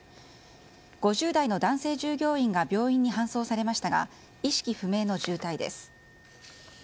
５０代の男性従業員が病院に搬送されましたが意識不明の重体です。